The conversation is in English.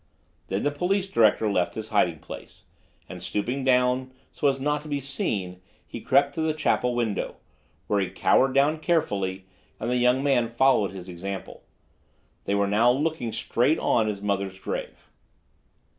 Then the police director left his hiding place, and stooping down, so as not to be seen, he crept to the chapel window, where he cowered down carefully, and the young man followed his example. They were now looking straight on his mother's grave.